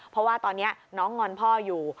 เพราะว่าตอนนี้น้องงอนพ่ออยู่